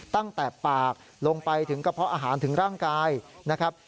ตั้งแต่ปากลงไปถึงกระเพาะอาหารถึงร่างกายนะครับ